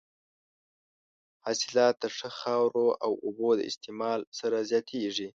حاصلات د ښه خاورو او اوبو د استعمال سره زیاتېږي.